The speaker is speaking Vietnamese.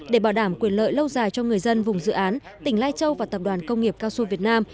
để bảo đảm quyền lợi lâu dài cho người dân vùng dự án tỉnh lai châu và tập đoàn công nghiệp cao su việt nam